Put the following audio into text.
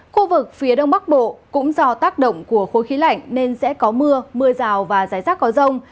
khu vực phía đông bắc bộ cũng do tác động của khối khí lạnh nên sẽ có mưa mưa rào và rải rác có rông